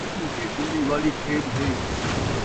چوہے ٻلی والی کھیݙ ہے